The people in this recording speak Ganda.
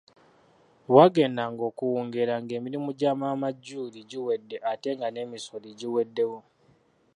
Bwagendanga okuwungeera ng'emirimu gya maama Julie giwedde ate nga n'emisooli giweddewo.